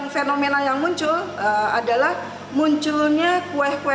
fenomena yang muncul adalah munculnya kue kue